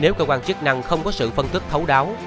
nếu cơ quan chức năng không có sự phân tích thấu đáo